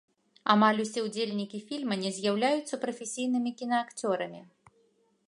Амаль усе ўдзельнікі фільма не з'яўляюцца прафесійнымі кінаакцёрамі.